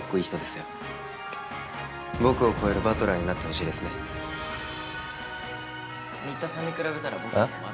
バトラーになってほしいですね新田さんに比べたらえっ？